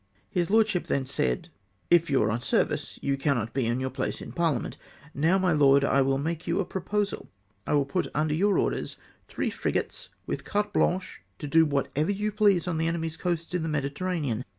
His lordship then said, " If you are on service, you cannot be in your place in Parhament. Now, my lord, I will make you a proposal. I will put under your orders three frigates, with carte blanche to do whatever you please on the enemy's coasts in the Mediterranean.